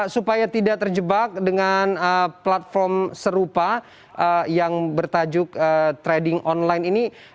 supaya tidak terjebak dengan platform serupa yang bertajuk trading online ini